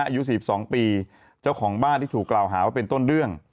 อายุ๔๒ปีเจ้าของบ้านที่ถูกกล่าวหาว่าเป็นต้นเรื่อง